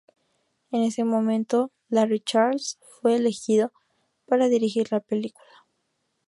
En ese momento, Larry Charles fue elegido para dirigir la película.